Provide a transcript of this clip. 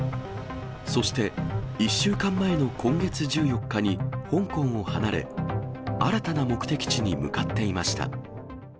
そして、１週間前の今月１４日に、香港を離れ、新たな目的地に向かっていました。